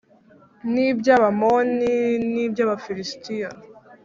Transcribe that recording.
n’iby’Abamoni n’iby’Abafilisitiya